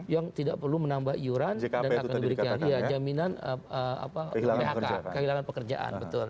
yang tidak perlu menambah iuran dan akan diberikan jaminan phk kehilangan pekerjaan